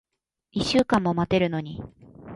一週間も待ってるのに。